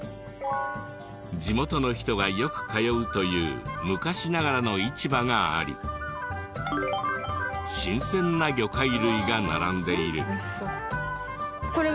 地元の人がよく通うという昔ながらの市場があり新鮮な魚介類が並んでいる。